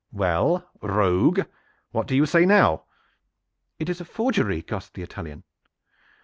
Well, rogue, what say you now?" "It is a forgery!" gasped the Italian.